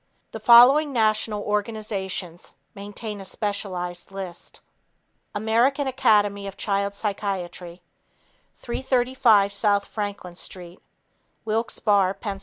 The following national organizations maintain a specialized list: American Academy of Child Psychiatry 335 S. Franklin St. Wilkes Barre, Pa.